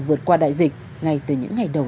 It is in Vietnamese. vượt qua đại dịch ngay từ những ngày đầu